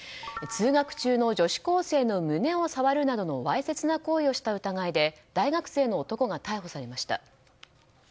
通学中の女子高生の胸を触るなどのわいせつな行為をした疑いで大学生の男が逮捕されました。